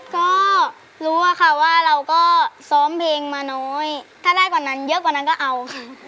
ก็รู้อะค่ะว่าเราก็ซ้อมเพลงมาน้อยถ้าได้กว่านั้นเยอะกว่านั้นก็เอาค่ะ